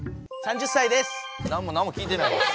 何も何も聞いてないです。